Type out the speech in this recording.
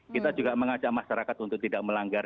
kita juga mengajak masyarakat untuk tidak melanggar